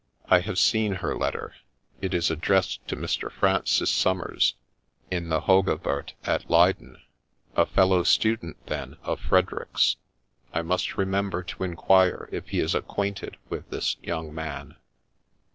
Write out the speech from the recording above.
I have seen her letter, it is addressed to Mr. Francis Somers, in the Hogewoert, at Leyden — a fellow student then of Frederick's. I must remember to inquire if he is acquainted with this young man.'